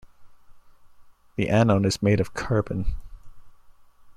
The anode is made of carbon.